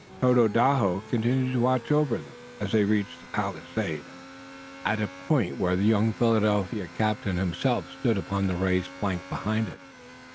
Tododaho continued to watch over, them as they reached the palisade, at the point where the young Philadelphia captain himself stood upon the raised plank behind it.